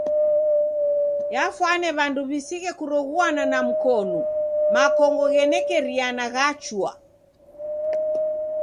Yafwane w'andu w'isighe kuroghuana na mkonu. Makongo ghenekeriana ghachua.